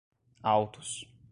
autos